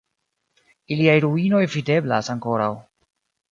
Iliaj ruinoj videblas ankoraŭ.